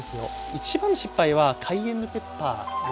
一番の失敗はカイエンヌペッパーですね。